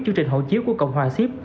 chương trình hộ chiếu của cộng hòa xếp